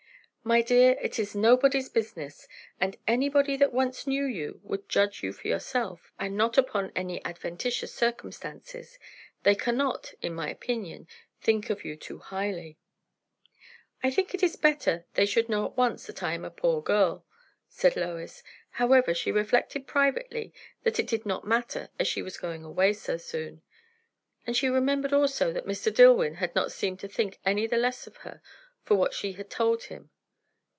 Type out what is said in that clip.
"My dear, it is nobody's business. And anybody that once knew you would judge you for yourself, and not upon any adventitious circumstances. They cannot, in my opinion, think of you too highly." "I think it is better they should know at once that I am a poor girl," said Lois. However, she reflected privately that it did not matter, as she was going away so soon. And she remembered also that Mr. Dillwyn had not seemed to think any the less of her for what she had told him.